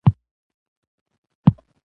د هغه د خودکشي احوال